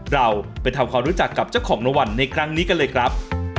เราไปทำความรู้จักกับเจ้าของนวัลในครั้งนี้กันเลยครับ